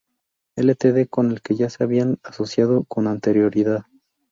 Ltd con el que ya se habían asociado con anterioridad.